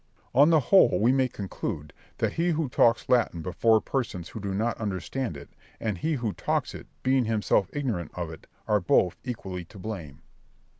On the whole we may conclude, that he who talks Latin before persons who do not understand it, and he who talks it, being himself ignorant of it, are both equally to blame.